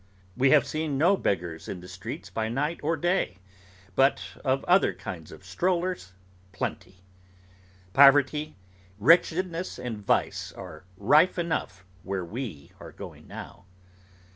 We have seen no beggars in the streets by night or day; but of other kinds of strollers, plenty. Poverty, wretchedness, and vice, are rife enough where we are going now.